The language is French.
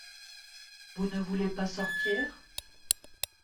Vous ne voulez pas sortir ?…